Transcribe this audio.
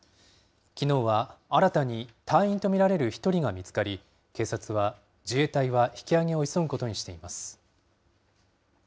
きのうは新たに隊員と見られる１人が見つかり、自衛隊は引きあげを急ぐことにしています。